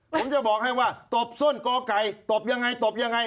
ผมจะบอกให้ว่าตบส้นกอไก่ตบยังไงตบยังไง